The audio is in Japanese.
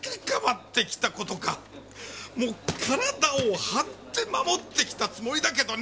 もう体を張って守ってきたつもりだけどね